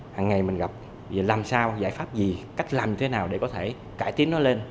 hằng ngày mình gặp làm sao giải pháp gì cách làm thế nào để có thể cải tiến nó lên